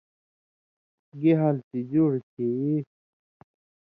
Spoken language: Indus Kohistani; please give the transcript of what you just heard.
گی حال تھی جُوڑ تھی یی؟“